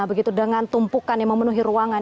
begitu dengan tumpukan yang memenuhi ruangan